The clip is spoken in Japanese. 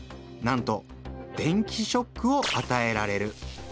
なんと電気ショックをあたえられる。